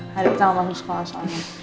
hari itu aku mau ke sekolah soalnya